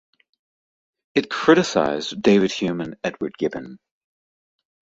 It criticized David Hume and Edward Gibbon.